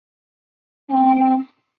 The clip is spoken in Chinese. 他亦有参与研究核能推动的穿梭机。